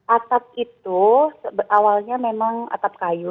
atap itu awalnya memang atap kayu